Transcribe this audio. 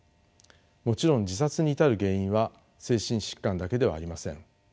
もちろん自殺に至る原因は精神疾患だけではありません。